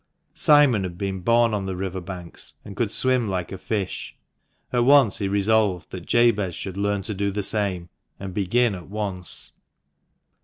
Simon had been born on the river banks, and could swim like a fish. At once he resolved that Jabez should learn to do the same, and begin at once.